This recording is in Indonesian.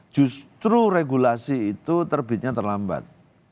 justru regulasi itu terbitnya terlambat